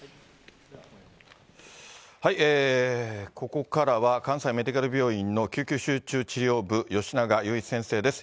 ここからは、関西メディカル病院の救急集中治療部、よしながゆういち先生です。